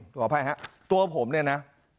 ขออภัยฮะตัวผมเนี่ยนะ